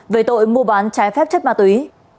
về tội mua bán trái phép chất ma túy